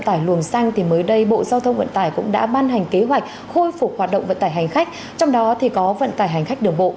tạm thời của bộ gia thông vận tải trong vận tải hành khách đường bộ